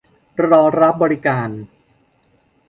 รอรับบริการ